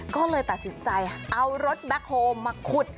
ก็เลยตัดสินใจเอารถแบ็คโฮลมาขุด